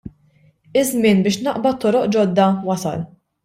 Iż-żmien biex naqbad toroq ġodda wasal.